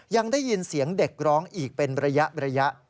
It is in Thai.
ยังได้ยินเสียงเด็กร้องอีกเป็นระยะ